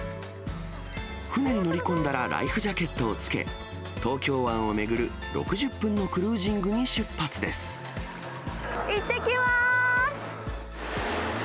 船に乗り込んだらライフジャケットをつけ、東京湾を巡る６０分のいってきます！